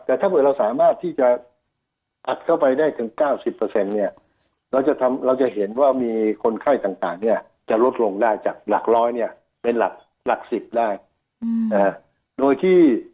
แต่ถ้าเกิดเราสามารถที่จะอัดเข้าไปได้ถึง๙๐เนี่ยเราจะเห็นว่ามีคนไข้ต่างเนี่ยจะลดลงได้จากหลักร้อยเนี่ยเป็นหลัก๑๐ได้โดยที่